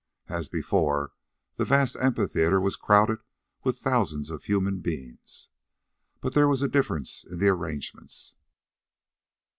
As before, the vast amphitheatre was crowded with thousands of human beings, but there was a difference in the arrangements.